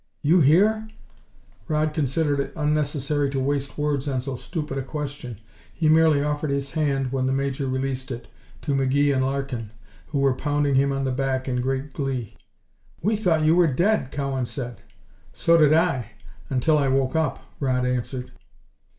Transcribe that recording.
"You here?" Rodd considered it unnecessary to waste words on so stupid a question. He merely offered his hand, when the Major released it, to McGee and Larkin, who were pounding him on the back in great glee. "We thought you were dead," Cowan said. "So did I until I woke up," Rodd answered.